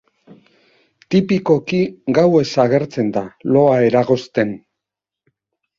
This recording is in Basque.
Tipikoki gauez agertzen da, loa eragozten.